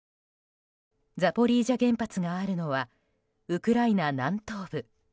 ザポリージャ原発があるのはウクライナ南東部。